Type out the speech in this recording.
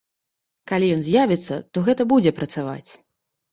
Калі ён з'явіцца, то гэта будзе працаваць.